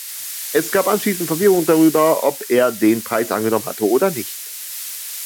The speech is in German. Es gab anschließend Verwirrung darüber, ob er den Preis angenommen hatte oder nicht.